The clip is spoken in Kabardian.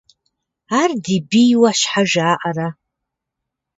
Ар ди бийуэ щхьэ жаӀэрэ?